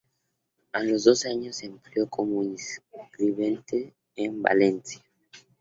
A los doce años se empleó como escribiente en Valencia.